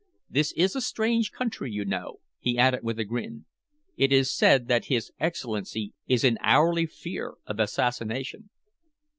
"This is a strange country, you know," he added, with a grin. "It is said that his Excellency is in hourly fear of assassination."